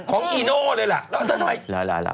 ของอีน่อเลยล่ะแล้วทำไม